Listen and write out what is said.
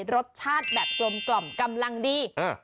รสชาติแบบกลมกล่อมกำลังดี